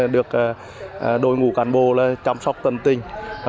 được đội ngũ cán bộ chăm sóc tân tình